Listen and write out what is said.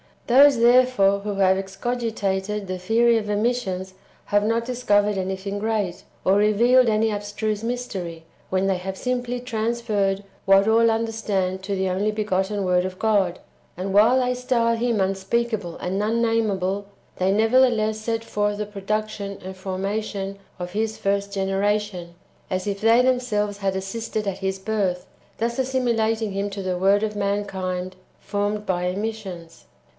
Those, therefore, who have excogitated [the theory of] emissions have not discovered anything great, or revealed any abstruse mystery, when they have simply trans ferred what all understand to the only begotten Word of God ; and while they style Him unspeakable and unname able, they nevertheless set forth the production and forma tion of His first generation, as if they themselves had assisted at His birth, thus assimilating Him to the word of mankind formed by emissions.